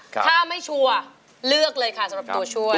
ถ้าไม่ชัวร์เลือกเลยค่ะสำหรับตัวช่วย